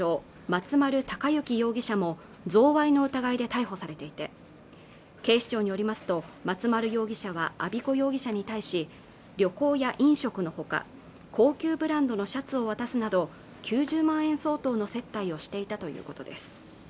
松丸隆行容疑者も贈賄の疑いで逮捕されていて警視庁によりますと松丸容疑者は安彦容疑者に対し旅行や飲食のほか高級ブランドのシャツを渡すなど９０万円相当の接待をしていたということです